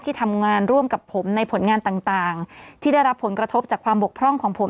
ทำงานร่วมกับผมในผลงานต่างที่ได้รับผลกระทบจากความบกพร่องของผม